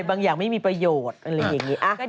บางอย่างไม่มีประโยชน์